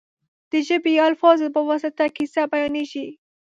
د ژبې یا الفاظو په واسطه کیسه بیانېږي.